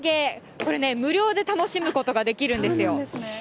これね、無料で楽しむことができるんですよ。